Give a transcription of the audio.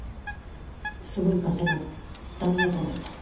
すごい重なったんやと思います。